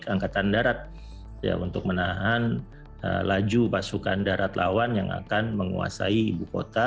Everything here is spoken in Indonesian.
angkatan darat untuk menahan laju pasukan darat lawan yang akan menguasai ibu kota